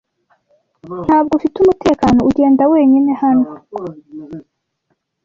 Ntabwo ufite umutekano ugenda wenyine hano.